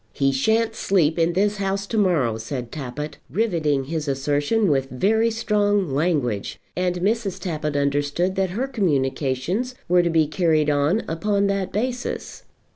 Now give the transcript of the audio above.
"He shan't sleep in this house to morrow," said Tappitt, riveting his assertion with very strong language; and Mrs. Tappitt understood that her communications were to be carried on upon that basis.